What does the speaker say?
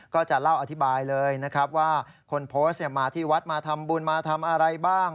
ก็จะเล่าอธิบายเลยนะครับว่าคนโพสต์มาที่วัดมาทำบุญมาทำอะไรบ้าง